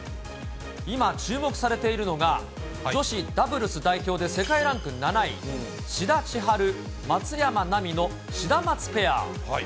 今、注目されているのが、女子ダブルス代表で世界ランク７位、志田千陽・松山奈未のシダマツペア。